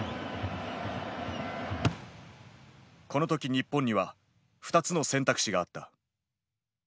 この時日本には２つの選択肢があった。